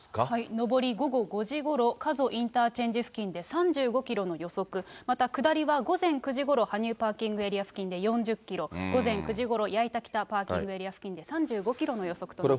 上り午後５時ごろ、加須インターチェンジ付近で３５キロの予測、また、下りは午前９時ごろ、羽生パーキングエリア付近で４０キロ、午前９時ごろ、矢板北パーキングエリア付近で３５キロの予測となっています。